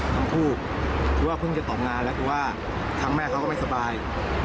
ทั้งคู่คือว่าเพิ่งจะตอบงานแล้วคือว่าทั้งแม่เขาก็ไม่สบาย